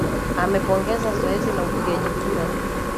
amepongeza zoezi la upigaji kura